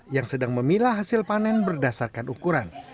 yang sedang memilah hasil panen berdasarkan ukuran